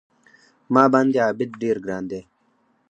ما باندې عابد ډېر ګران دی